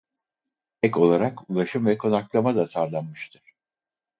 Ek olarak ulaşım ve konaklama da sağlanmıştır.